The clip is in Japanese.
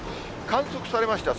観測されました